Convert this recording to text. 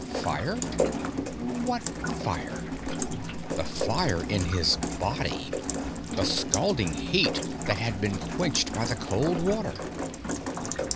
Fire? What fire? The fire in his body, the scalding heat that had been quenched by the cold water.